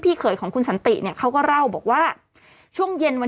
เขยของคุณสันติเนี่ยเขาก็เล่าบอกว่าช่วงเย็นวัน